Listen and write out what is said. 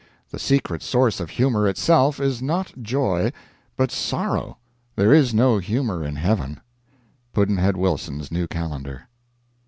The secret source of Humor itself is not joy but sorrow. There is no humor in heaven. Pudd'nhead Wilson's New Calendar.